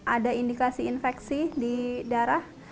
ada indikasi infeksi di darah